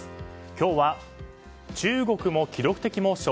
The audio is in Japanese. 今日は、中国も記録的猛暑。